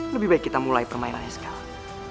lebih baik kita mulai permainannya sekarang